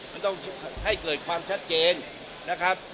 มันต้องให้เกิดความชัดเจนนะครับ